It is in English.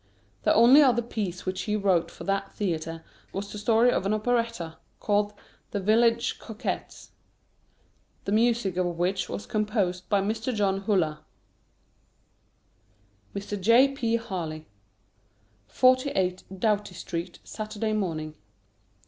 The only other piece which he wrote for that theatre was the story of an operetta, called "The Village Coquettes," the music of which was composed by Mr. John Hullah. [Sidenote: Mr. J. P. Harley.] 48, DOUGHTY STREET, _Saturday Morning.